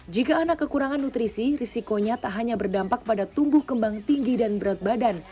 jika anak kekurangan nutrisi risikonya tak hanya berdampak pada tumbuh kembang tinggi dan berat badan